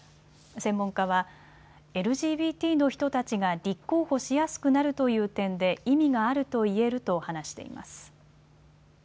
専門家はＬＧＢＴの人たちが立候補しやすくなるという点で意味があると言えると話しています。